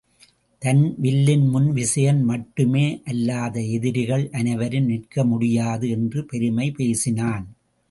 தன் வில்லின் முன் விசயன் மட்டுமே அல்லாது எதிரிகள் அனைவரும் நிற்க முடியாது என்று பெருமை பேசினான்.